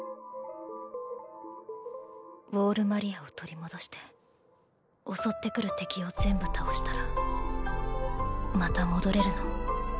ウォール・マリアを取り戻して襲ってくる敵を全部倒したらまた戻れるの？